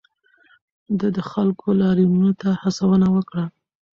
ده د خلکو لاریونونو ته هڅونه وکړه.